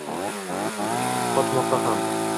Qochmoqqa ham